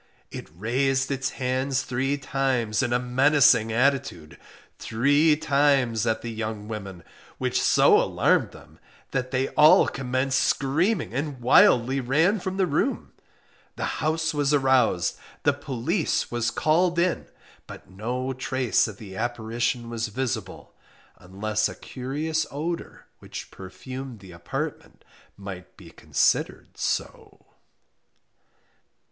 It raised its hand three times in a menacing attitude, three times at the young women, which so alarmed them, that they all commenced screaming and wildly ran from the room the house was aroused the police was called in but no trace of the apparition was visible, unless a curious odour which perfumed the apartment might be considered so.